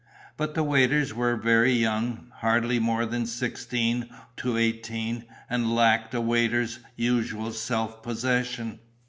But the waiters were very young, hardly more than sixteen to eighteen, and lacked the waiter's usual self possession.